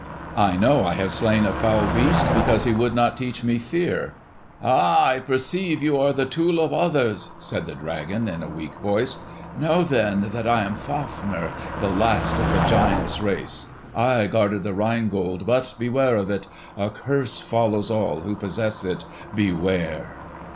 "I know I have slain a foul beast because he would not teach me fear." "Ah, I perceive you are the tool of others," said the dragon in a weak voice. "Know then that I am Fafner, the last of the giants' race. I guarded the Rhine Gold; but beware of it! a curse follows all who possess it! Beware!"